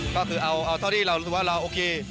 ก็คือเอาเท่าที่เรารู้สึกว่าเราโอเค